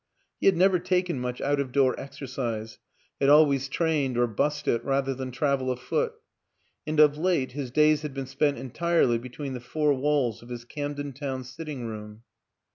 He had never taken much out of door exercise; had always trained or 'bused it rather than travel afoot; and of late his days had been spent entirely between the four walls of his Camden Town sitting room.